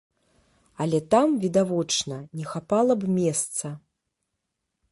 Але там, відавочна, не хапала б месца.